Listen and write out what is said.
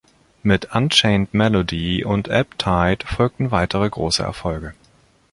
Mit "Unchained Melody" und "Ebb Tide" folgten weitere große Erfolge.